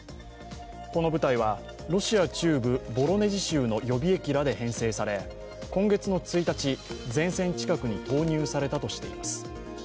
この部隊はロシア中部ボロネジ州の予備役らで編成され今月１日、前線近くに投入されたとしています。